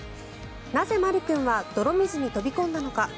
なぜ、まる君は泥水に飛び込んだのか。